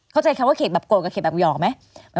เข้าใจคำว่าเขกแบบกลดกับเขกแบบยอกมั้ย